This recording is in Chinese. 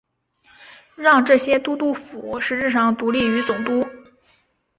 让这些都督府实质上独立于总督。